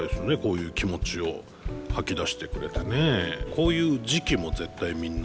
こういう時期も絶対みんな。